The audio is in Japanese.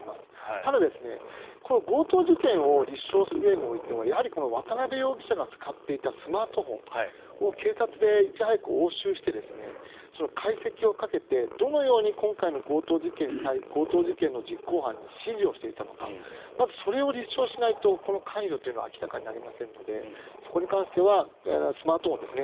ただ、強盗事件を立証するうえにおいてはやはり渡邉容疑者が使っていたスマートフォンを警察でいち早く押収して解析をかけてどのように今回の強盗事件の実行犯に指示をしていたのかまずそれを立証しないとその関与というのは明らかになりませんのでそこに関してはスマートフォンですね。